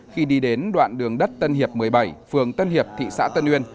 khi đi đến đoạn đường đất tân hiệp một mươi bảy phường tân hiệp thị xã tân uyên